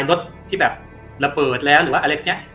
รถที่แบบระเปิดแล้วอะไรแบบนี้